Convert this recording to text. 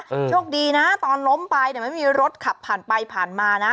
โชคดีนะตอนล้มไปเนี่ยไม่มีรถขับผ่านไปผ่านมานะ